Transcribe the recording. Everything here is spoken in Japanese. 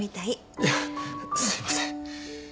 いやすみません！